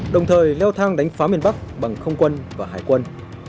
đồng thời leo thang đánh phá miền bắc bằng không quân và hải quân